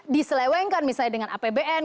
diselewengkan misalnya dengan apbn